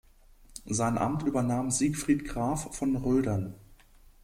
Sein Amt übernahm Siegfried Graf von Roedern.